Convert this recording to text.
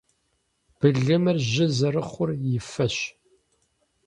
Былымыр жьы зэрыхъур и фэщ.